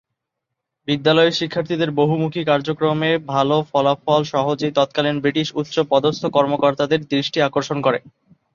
বিদ্যালয়ের শিক্ষার্থীদের বহুমুখী কার্যক্রমের ভাল ফলাফল সহজেই তৎকালীন ব্রিটিশ উচ্চ পদস্থ কর্মকর্তাদের দৃষ্টি আকর্ষণ করে।